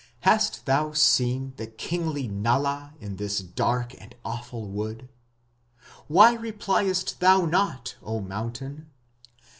Hast thou seen the kingly Nala in this dark and awful wood.... Why repliest thou not, O Mountain?"